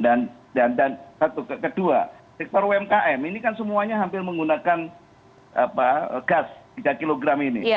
dan dan dan satu kedua sektor umkm ini kan semuanya hampir menggunakan gas tiga kg ini